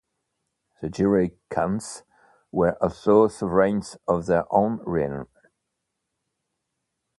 The Giray Khans were also sovereigns of their own realm.